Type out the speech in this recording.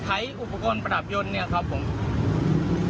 ใช้อุปกรณ์ประดับยนต์เนี่ยครับผม